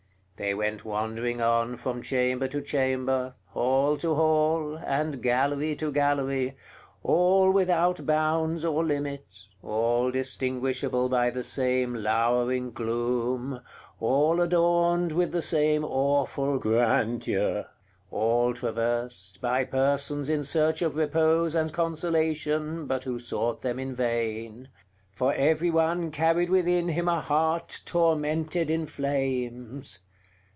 They went wandering on from chamber to chamber, hall to hall, and gallery to gallery, all without bounds or limit, all distinguishable by the same lowering gloom, all adorned with the same awful grandeur, all traversed by persons in search of repose and consolation, but who sought them in vain; for every one carried within him a heart tormented in flames.